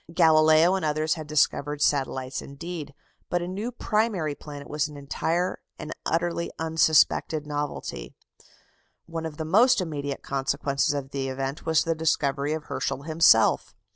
Galileo and others had discovered satellites indeed, but a new primary planet was an entire and utterly unsuspected novelty. One of the most immediate consequences of the event was the discovery of Herschel himself.